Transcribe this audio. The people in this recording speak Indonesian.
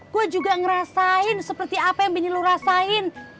gue juga ngerasain seperti apa yang bini lu rasain